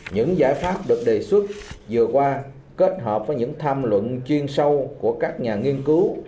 những giải pháp được đề xuất vừa qua kết hợp với những tham luận chuyên sâu của các nhà nghiên cứu